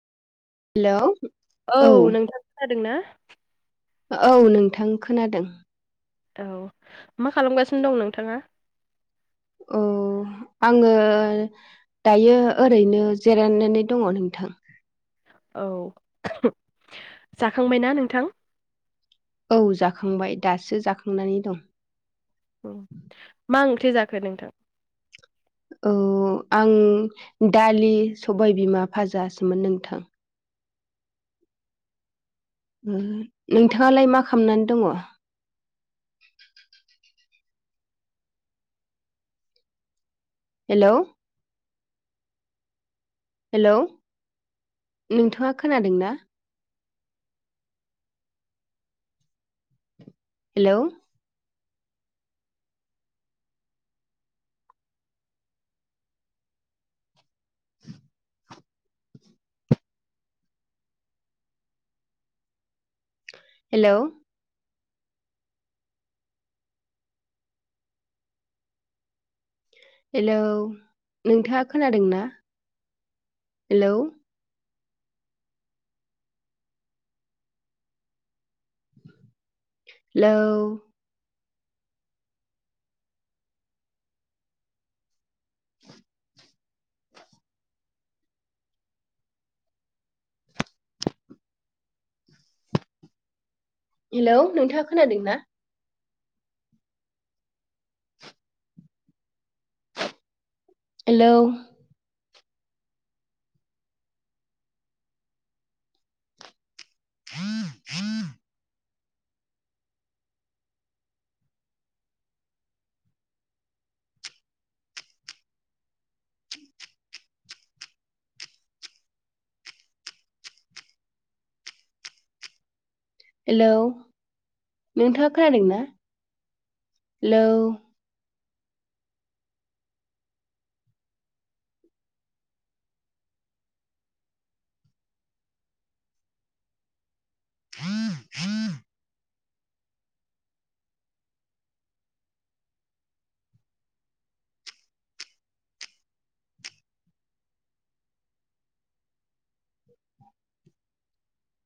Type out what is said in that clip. Hello? औ नोंथां खोनादों ना? औ नोंथां खोनादों। औ मा खालामगासिनो दं नोंथाङा? औ आङो दायो ओरैनो जिरायनानै दङ नोंथां। औ जाखांबायना नोंथां औ जाखांबाय दासो जाखांनानै दं। उम मा ओंथि जाखो नोंथां? औ आं दालि सबाइ बिमा फाजासोमोन नोंथां उम नोंथाङालाय मा खालामनानै दङ? हेलौ हेलौ नोंथाङा खोनादोंना? हेलौ [inaudible] हेलौ हेलौ नोंथाङा खोनादोंना हेलौ हेलौ [inaudible] हेलौ नोंथाङा खोनादोंना? हेलौ [inaudible] हेलौ नोंथाङा खोनादोंना हेलौ